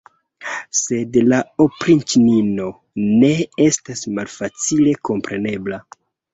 Sed la opriĉnino ne estas malfacile komprenebla.